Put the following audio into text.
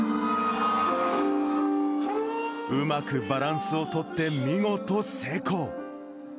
うまくバランスを取って見事成功。